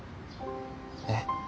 えっ？